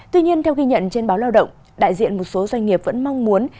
tuy nhiên theo ghi nhận trên báo lao động đại diện một số doanh nghiệp vẫn mong muốn